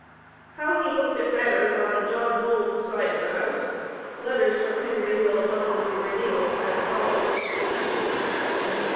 How he looked at matters on John Bull's side of the house, letters from Henry will abundantly reveal as follows: ST.